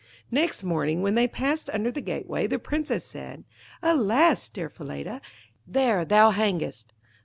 Next morning, when they passed under the gateway, the Princess said 'Alas! dear Falada, there thou hangest.'